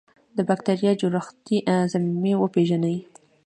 د بکټریا جوړښتي ضمیمې وپیژني.